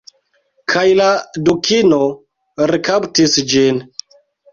Kaj la Dukino rekaptis ĝin.